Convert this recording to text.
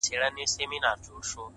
د نورو د ستم په گيلاسونو کي ورک نه يم _